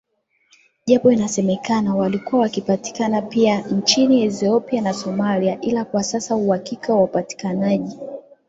Japo inasemekana walikuwa wakipatikana pia nchini Ethiopia na Somalia ila kwasasa uhakika wa upatikanaji